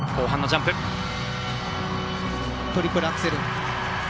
トリプルアクセル。